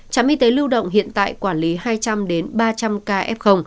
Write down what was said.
trạm y tế lưu động hiện tại quản lý hai trăm linh ba trăm linh ca f